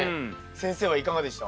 先生はいかがでした？